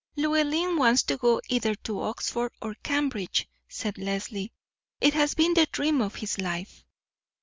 "Llewellyn wants to go either to Oxford or Cambridge," said Leslie. "It has been the dream of his life."